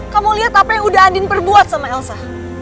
kamu lihat apa yang udah andin perbuat sama elsa